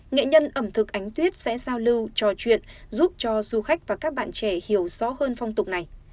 nghệ nhân ẩm thực ánh tuyết sẽ giao lưu trò chuyện giúp cho du khách và các bạn trẻ hiểu rõ hơn phong tục này